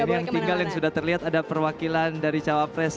nah ini yang tinggal yang sudah terlihat ada perwakilan dari cawapres satu